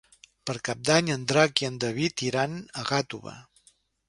Per Cap d'Any en Drac i en David iran a Gàtova.